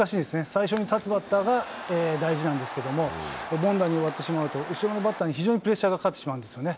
最初に立つバッターが、大事なんですけども、凡打に終わってしまうと、後ろのバッターに非常にプレッシャーがかかってしまうんですよね。